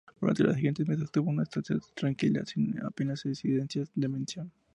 Durante los siguientes meses tuvo una estancia tranquila, sin apenas incidencias de mención.